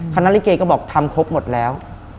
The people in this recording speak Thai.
คณะลิเกก็บอกทำครบหมดแล้ว